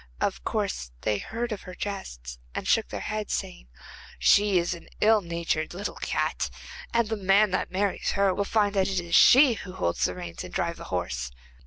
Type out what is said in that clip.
Of course they heard of her jests, and shook their heads saying: 'She is an ill natured little cat, and the man that marries her will find that it is she who will hold the reins and drive the horse.